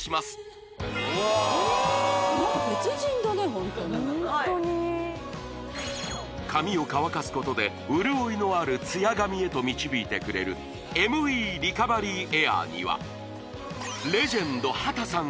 ホントにホントに髪を乾かすことで潤いのあるツヤ髪へと導いてくれるＭＥリカバリーエアーにはレジェンド波多さん